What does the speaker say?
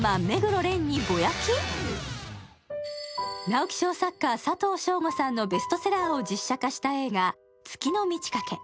直木賞作家・佐藤正午さんのベストセラーを実写化した映画「月の満ち欠け」。